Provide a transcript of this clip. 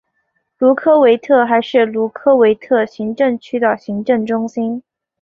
卢科维特还是卢科维特行政区的行政中心。